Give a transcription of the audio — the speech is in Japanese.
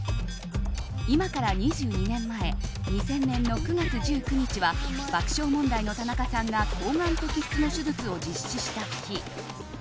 今から２２年前２０００年の９月１９日は爆笑問題の田中さんが睾丸摘出の手術を実施した日。